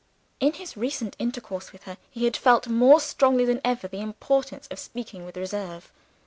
In his recent intercourse with her he had felt more strongly than ever the importance of speaking with reserve.